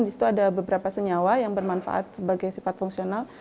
disitu ada beberapa senyawa yang bermanfaat sebagai sifat fungsional